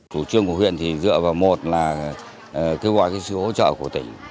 chủ trương của huyện thì dựa vào một là kêu gọi sự hỗ trợ của tỉnh